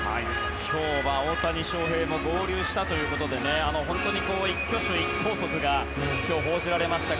今日は大谷翔平も合流したということで本当に一挙手一投足が報じられましたが。